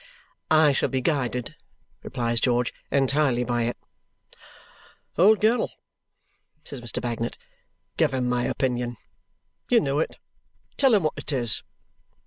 "I shall be guided," replies George, "entirely by it." "Old girl," says Mr. Bagnet, "give him my opinion. You know it. Tell him what it is."